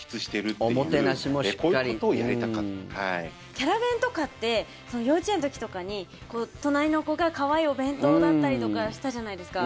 キャラ弁とかって幼稚園の時とかに隣の子が可愛いお弁当だったりとかしたじゃないですか。